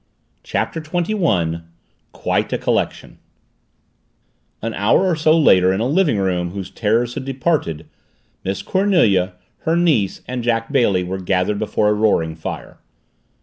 CHAPTER TWENTY ONE QUITE A COLLECTION An hour or so later in a living room whose terrors had departed, Miss Cornelia, her niece, and Jack Bailey were gathered before a roaring fire.